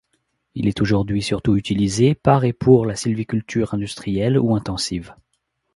Il est aujourd'hui surtout utilisé par et pour la sylviculture industrielle ou intensive.